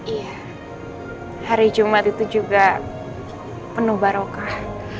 iya hari jumat itu juga penuh barokah